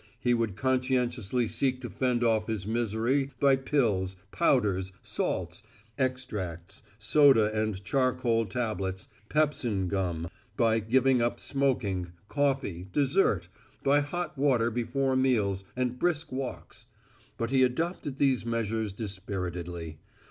He would conscientiously seek to fend off his misery by pills, powders, salts, extracts, soda and charcoal tablets, pepsin gum, by giving up smoking, coffee, dessert, by hot water before meals and brisk walks; but he adopted these measures dispiritedly.